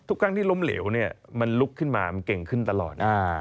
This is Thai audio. ทุกครั้งที่ล้มเหลวเนี่ยมันลุกขึ้นมามันเก่งขึ้นตลอด